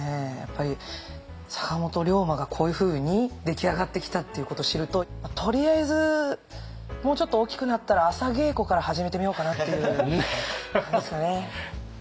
坂本龍馬がこういうふうに出来上がってきたっていうことを知るととりあえずもうちょっと大きくなったら朝稽古から始めてみようかなっていう感じですかね。